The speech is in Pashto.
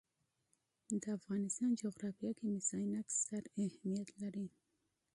د افغانستان جغرافیه کې مس ستر اهمیت لري.